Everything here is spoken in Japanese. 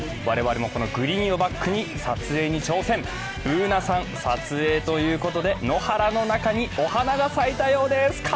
我々もグリーンをバックに撮影に挑戦、Ｂｏｏｎａさん、撮影ということで野原の中にお花が咲いたようです。